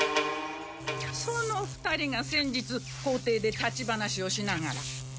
その２人が先日校庭で立ち話をしながら。